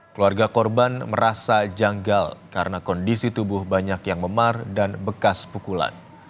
keluarga korban merasa janggal karena kondisi tubuh banyak yang memar dan bekas pukulan